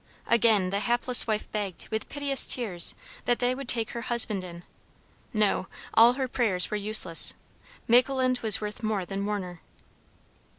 Again the hapless wife begged, with piteous tears, that they would take her husband in. No! All her prayers were useless. Macleland was worth more than Warner.